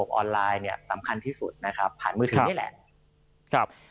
คุณสินทะนันสวัสดีครับ